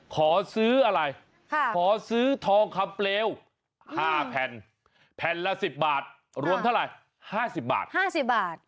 ขอซื้ออะไรขอซื้อทองคำเปลว๕แผ่นแผ่นละ๑๐บาทรวมเท่าไหร่๕๐บาท๕๐บาท